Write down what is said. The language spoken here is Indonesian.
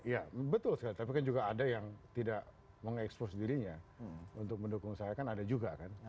ya betul sekali tapi kan juga ada yang tidak mengekspos dirinya untuk mendukung saya kan ada juga kan